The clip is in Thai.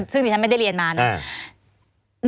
ซึ่งที่ฉันไม่ได้เรียนมาเนี่ย